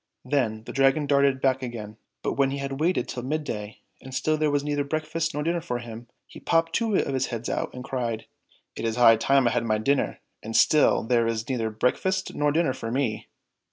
" Then the Dragon darted back again, but when he had waited till midday and still there was neither breakfast nor dinner for him, he popped two of his heads out and cried, "It is high time I had my dinner, and still there is neither break fast nor dinner for me